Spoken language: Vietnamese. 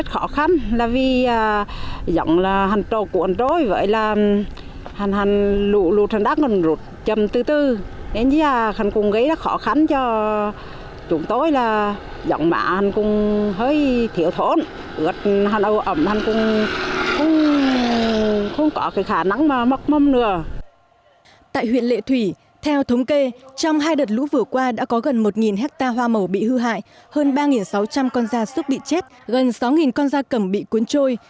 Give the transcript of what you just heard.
tại huyện lệ thủy theo thống kê trong hai đợt lũ vừa qua đã có gần một hectare hoa màu bị hư hại hơn ba sáu trăm linh con gia súc bị chết gần sáu con gia cầm bị cuốn trôi